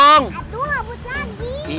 aduh ngebut lagi